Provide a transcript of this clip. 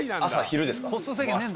昼ですか？